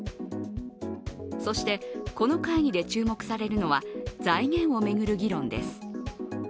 そして、この会議で注目されるのは財源を巡る議論です。